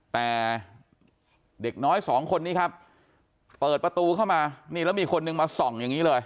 แต่เด็กน้อยสองคนนี้ครับเปิดประตูเข้ามานี่แล้วมีคนนึงมาส่องอย่างนี้เลย